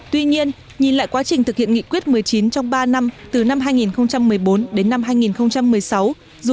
tuy nhiên nhìn lại quá trình thực hiện nghị quyết một mươi chín trong ba năm từ năm hai nghìn một mươi bốn đến năm hai nghìn một mươi sáu dù số giải pháp được thực hiện ngày càng nhiều